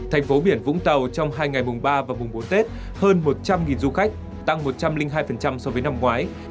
thành phố biển vũng tàu trong hai ngày mùng ba và mùng bốn tết hơn một trăm linh du khách tăng một trăm linh hai so với năm ngoái